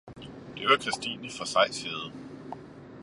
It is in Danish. Det var Christine fra Sejshede.